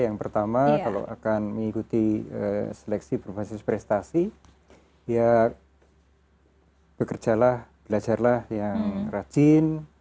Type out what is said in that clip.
yang pertama kalau akan mengikuti seleksi berbasis prestasi ya bekerjalah belajarlah yang rajin